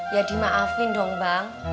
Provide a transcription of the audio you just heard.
ya dimaafin dong bang